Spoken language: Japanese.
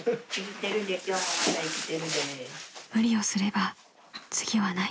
［「無理をすれば次はない」］